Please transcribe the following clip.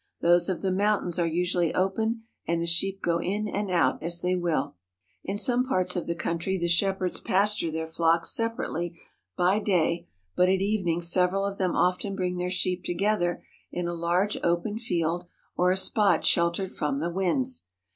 Those of the mountains are usually open and the sheep go in and out as they will. In some parts of the country the shepherds pasture their flocks separately by day, but at evening several of them often bring their sheep together in a large open field or a 161 THE HOLY LAND AND SYRIA spot sheltered from the winds.